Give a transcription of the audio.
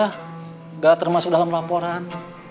nggak termasuk dalam laporan